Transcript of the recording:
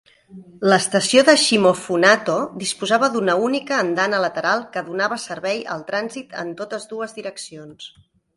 L'estació de Shimofunato disposava d'una única andana lateral que donava servei al trànsit en totes dues direccions.